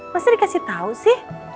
masih dikasih tau sih